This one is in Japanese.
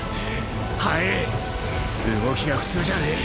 速ぇ動きが普通じゃねぇ！！